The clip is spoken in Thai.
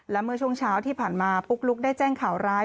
และเมื่อช่วงเช้าที่ผ่านมาปุ๊กลุ๊กได้แจ้งข่าวร้าย